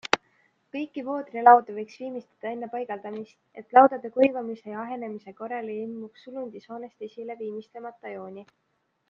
Kõiki voodrilaudu võiks viimistleda enne paigaldamist, et laudade kuivamise ja ahenemise korral ei ilmuks sulundisoonest esile viimistlemata jooni.